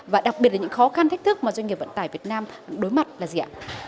và đặc biệt là những khó khăn thách thức mà doanh nghiệp vận tải việt nam đối mặt là gì ạ